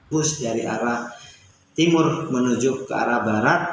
bus dari arah timur menuju ke arah barat